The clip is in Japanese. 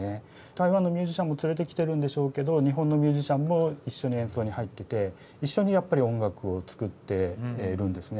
台湾のミュージシャンも連れてきてるんでしょうけど日本のミュージシャンも一緒に演奏に入ってて一緒にやっぱり音楽を作ってるんですね。